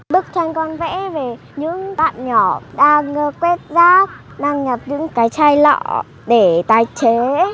bức tranh con vẽ về những bạn nhỏ đang ngơ quét rác đang nhập những cái chai lọ để tài chế